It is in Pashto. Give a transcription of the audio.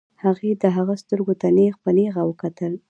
هغې د هغه سترګو ته نېغ په نېغه وکتل.